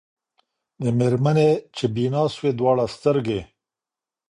د مېرمني چي بینا سوې دواړي سترګي